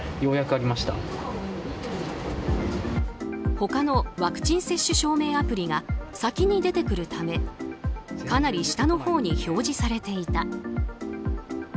他のワクチン接種証明アプリが先に出てくるためかなり下のほうに表示されていた。